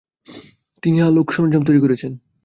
তিনি অনেক আলোক সরঞ্জাম তৈরি করেছেন।